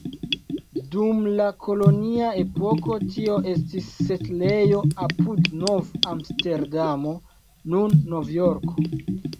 Dum la kolonia epoko tio estis setlejo apud Nov-Amsterdamo, nun Novjorko.